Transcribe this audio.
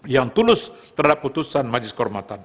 yang tulus terhadap putusan majlis kehormatan